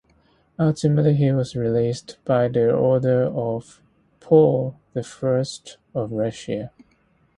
Ultimately he was released by order of Paul the First of Russia.